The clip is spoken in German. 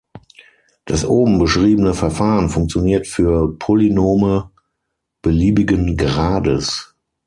Das oben beschriebene Verfahren funktioniert für Polynome beliebigen Grades.